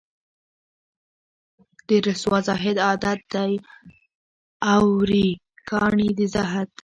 د رســــــوا زاهـــــد عـــــــادت دی اوروي کاڼي د زهد